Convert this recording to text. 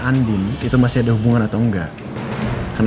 andina ada di sana atau enggak